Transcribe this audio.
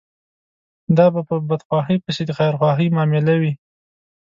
دا به په بدخواهي پسې د خيرخواهي معامله وي.